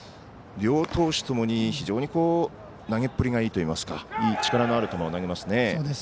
両投手ともに非常に投げっぷりがいいといいますかいい力のある球を投げますね。